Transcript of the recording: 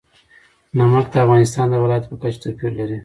نمک د افغانستان د ولایاتو په کچه توپیر لري.